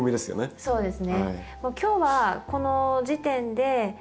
そうですね。